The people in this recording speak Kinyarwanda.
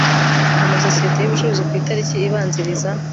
amasosiyete y ubucuruzi ku itariki ibanziriza